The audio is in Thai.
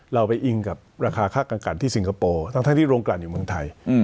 เราไปอิงกับราคาค่ากังกันที่สิงคโปร์ทั้งที่โรงการอยู่เมืองไทย